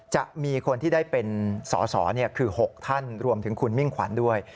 จะมีคนที่ได้เป็นสอสอคือ๖ท่านรวมถึงคุณมิ่งขวัญด้วย